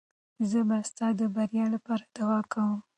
زه به ستا د بریا لپاره دعا کوم.